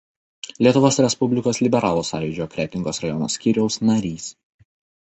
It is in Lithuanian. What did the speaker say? Lietuvos Respublikos liberalų sąjūdžio Kretingos rajono skyriaus narys.